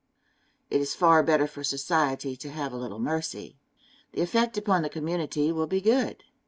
It is far better for society to have a little mercy. The effect upon the community will be good.